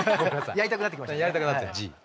やりたくなったＧ。